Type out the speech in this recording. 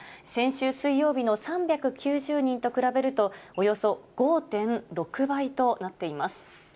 先週水曜日の３９０人と比べると、およそ５．６倍となっています。